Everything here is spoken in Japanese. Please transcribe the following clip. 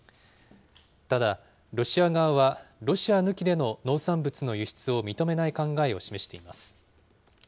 ただ、ロシア側はロシア抜きでの農産物の輸出を認めない考えを示しています。